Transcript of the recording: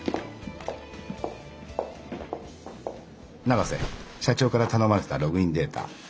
永瀬社長から頼まれてたログインデータ。